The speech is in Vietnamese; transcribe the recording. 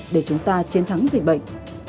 để chúng ta chiến thắng dịch bệnh